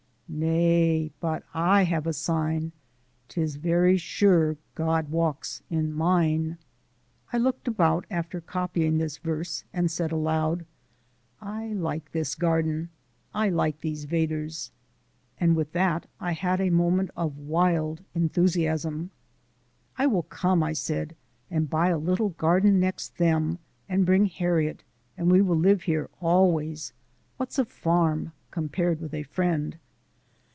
Nay, but I have a sign, 'Tis very sure God walks in mine. I looked about after copying this verse, and said aloud: "I like this garden: I like these Vedders." And with that I had a moment of wild enthusiasm. "I will come," I said, "and buy a little garden next them, and bring Harriet, and we will live here always. What's a farm compared with a friend?"